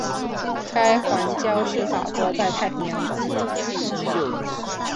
该环礁是法国在太平洋的。